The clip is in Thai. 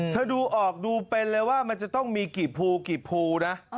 เธอดูออกดูเป็นเลยว่ามันจะต้องมีกี่ภูนะ